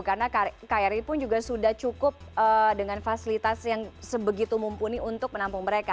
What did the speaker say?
karena kri pun sudah cukup dengan fasilitas yang sebegitu mumpuni untuk menampung mereka